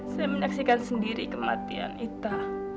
saya menyaksikan sendiri kematian ita